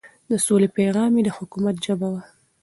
د سولې پيغام يې د حکومت ژبه وه.